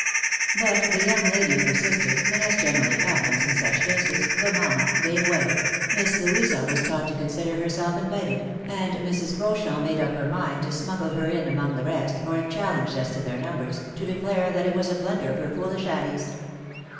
" But the young lady persisted, and, as generally happens in such cases, the mamma gave way ; Miss Louisa was taught to consider herself invited, and Mrs. Beauchamp made up her mind to smuggle her in among the rest, or if challenged as to their numbers, to declare that it was a blunder of her foolish Annie's.